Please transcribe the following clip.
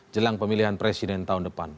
jelang pemilihan presiden tahun depan